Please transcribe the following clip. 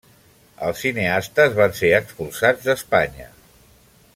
Els cineastes van ser expulsats d'Espanya.